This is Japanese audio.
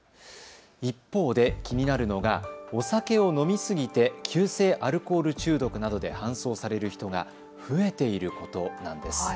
一方で気になるのがお酒を飲みすぎて急性アルコール中毒などで搬送される人が増えていることなんです。